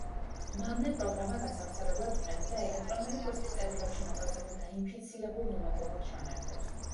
მავნე პროგრამა გასავრცელებლად იყენებდა ელექტრონული ფოსტის წერილებში მოთავსებულ დაინფიცირებულ მიმაგრებულ ჩანართებს.